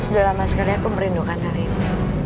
sudah lama sekali aku merindukan hari ini